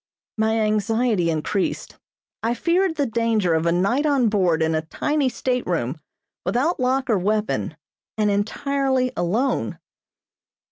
My anxiety increased. I feared the danger of a night on board in a tiny stateroom, without lock or weapon, and entirely alone.